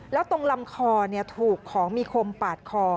แล้วตรงลำคอถูกของมีคมปาดคอ